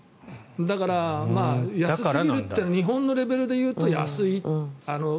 だから、安すぎるっていうのは日本のレベルで安い。